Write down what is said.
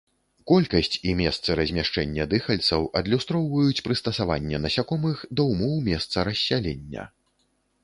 Колькасць і месцы размяшчэння дыхальцаў адлюстроўваюць прыстасаванне насякомых да ўмоў месцаў рассялення.